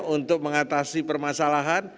untuk mengatasi permasalahan